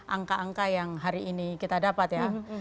angka angka yang hari ini kita dapat ya